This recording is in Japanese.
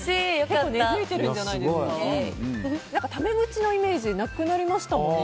タメ口のイメージなくなりましたもんね